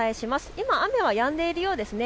今、雨はやんでいるようですね。